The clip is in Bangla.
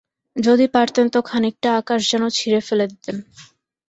যদি পারতেন তো খানিকটা আকাশ যেন ছিঁড়ে ফেলে দিতেন।